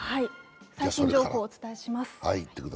最新情報をお伝えします。